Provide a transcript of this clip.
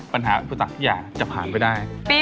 ปัญหาอุตสักที่อยากจะผ่านก็ได้